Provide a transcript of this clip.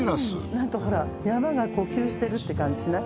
なんかほら山が呼吸してるって感じしない？